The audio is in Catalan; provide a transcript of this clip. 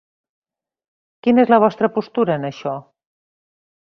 Quina és la vostra postura en això?